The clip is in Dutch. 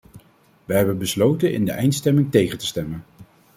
Wij hebben besloten in de eindstemming tegen te stemmen.